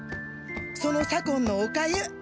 その左近のおかゆ！